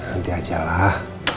nanti aja lah